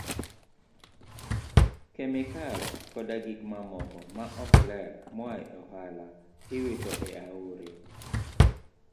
Kemikal koda gik mamoko ma ok ler moa e ohala, iwito e aore.